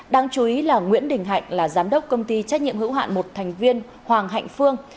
đáng chú ý là nguyễn đình hạnh là giám đốc công ty trách nhiệm hữu hạn một thành viên hoàng hạnh phương